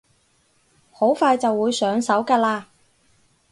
好快就會上手㗎喇